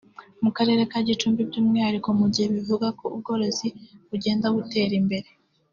mu Karere ka Gicumbi by’umwihariko mu gihe bivugwa ko ubworozi bugenda butera imbere